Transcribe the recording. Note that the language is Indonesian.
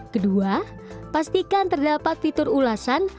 kedua pastikan terdapat fitur ulasan